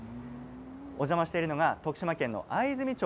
お邪魔している徳島県の藍住町